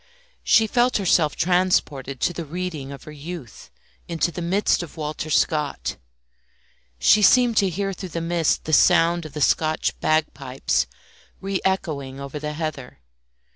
She felt herself transported to the reading of her youth, into the midst of Walter Scott. She seemed to hear through the mist the sound of the Scotch bagpipes re echoing over the heather.